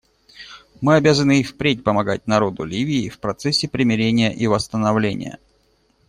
Мы обязаны и впредь помогать народу Ливии в процессе примирения и восстановления.